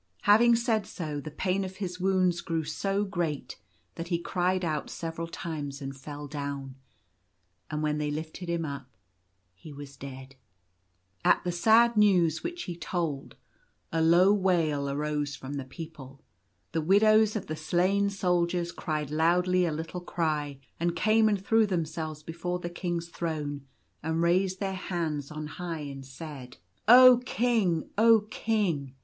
Having said so, the pain of his wounds grew so great that he cried out several times and fell down ; and when they lifted him up he was dead. At the sad news which he told a low wail arose from the people. The widows of the slain soldiers cried loudly a little cry, and came and threw themselves before the King's throne, and raised their hands on* high and said — Another Army goes out. 2 3 "Oh, King! Oh, King